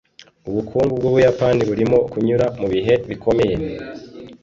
ubukungu bwubuyapani burimo kunyura mubihe bikomeye